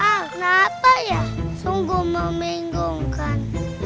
ah kenapa ya sungguh membingungkan